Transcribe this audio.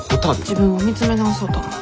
自分を見つめ直そうと思って。